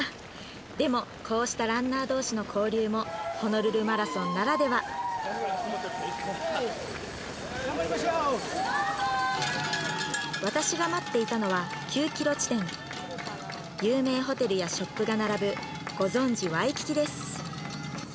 でもこうしたランナー同士の交流もホノルルマラソンならでは頑張りましょう私が待っていたのは９ｋｍ地点有名ホテルやショップが並ぶご存じワイキキです